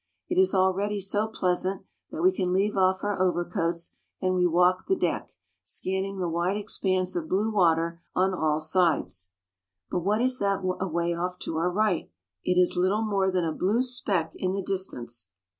It is already so pleasant that we can leave off our over coats, and we walk the deck, scanning the wide expanse of blue water on all sides. But what is that away off to our right? It is little more than a blue speck in the distance.